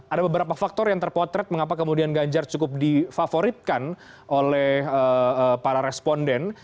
ada beberapa faktor yang terpotret mengapa kemudian ganjar cukup difavoritkan oleh para responden